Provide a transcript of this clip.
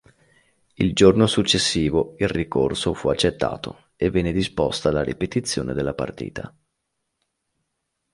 Il giorno successivo il ricorso fu accettato e venne disposta la ripetizione della partita.